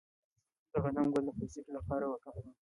د غنم ګل د پوستکي لپاره وکاروئ